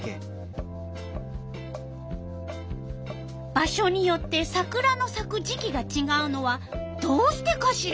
場所によってサクラのさく時期がちがうのはどうしてかしら？